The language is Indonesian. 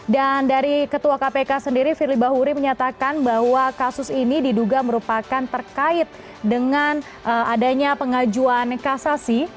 dan dari ketua kpk sendiri firli bahuri menyatakan bahwa kasus ini diduga merupakan terkait dengan adanya pengajuan kasasi